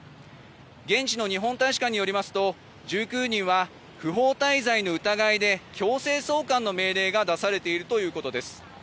現地の日本大使館によりますと１９人は不法滞在の疑いで強制送還の命令が出されているということです。